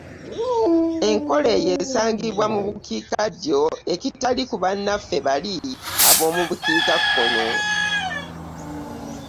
Enkola eyo esangibwa mu bukiikaddyo ekitali ku bannaffe bali ab'omu bukiikakkono.